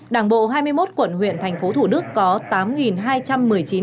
đảng bộ hai mươi một quận huyện thành phố thủ đức có tám hai trăm một mươi chín